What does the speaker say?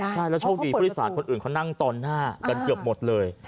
แต่ผ่านคนอื่นเขานั่งตอนหน้าก็เยอะหมดเลย